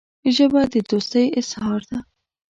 ژبه د دوستۍ اظهار ده